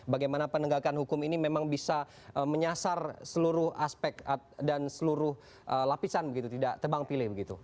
bagaimana penegakan hukum ini memang bisa menyasar seluruh aspek dan seluruh lapisan begitu tidak tebang pilih begitu